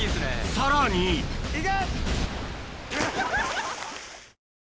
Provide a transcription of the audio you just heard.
さらにいけ！